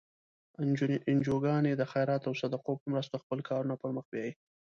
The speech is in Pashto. انجوګانې د خیرات او صدقو په مرستو خپل کارونه پر مخ بیایي.